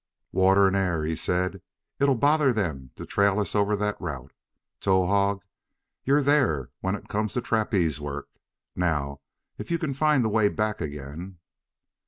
"Water and air," he said; "it'll bother them to trail us over that route. Towahg, you're there when it comes to trapeze work. Now, if you can find the way back again